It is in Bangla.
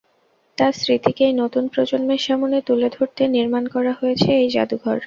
তাঁর স্মৃতিকেই নতুন প্রজন্মের সামনে তুলে ধরতে নির্মাণ করা হয়েছে এই জাদুঘর।